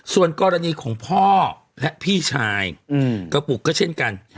ส่วนกรณีของพ่อและพี่ชายกระปุกก็เช่นกัน